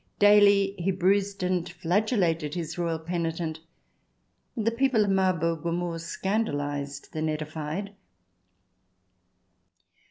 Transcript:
Daily he bruised and flagellated his royal penitent, and the people of Marburg were more scandalized than edified.